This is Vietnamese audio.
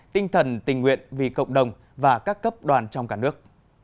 tinh thần tình nguyện vì cộng đồng và các cấp đoàn trong cả nước